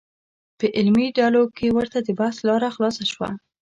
په علمي ډلو کې ورته د بحث لاره خلاصه شوه.